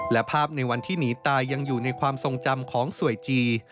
และภาพในวันที่หนีตายยังอยู่ในความทรงจำของสวยจี